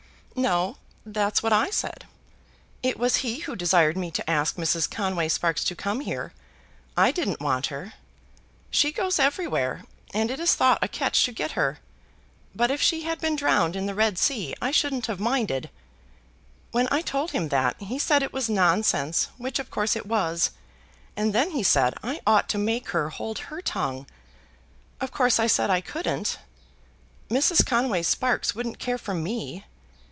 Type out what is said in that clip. "No; that's what I said. It was he who desired me to ask Mrs. Conway Sparkes to come here. I didn't want her. She goes everywhere, and it is thought a catch to get her; but if she had been drowned in the Red Sea I shouldn't have minded. When I told him that, he said it was nonsense, which of course it was; and then he said I ought to make her hold her tongue. Of course I said I couldn't. Mrs. Conway Sparkes wouldn't care for me.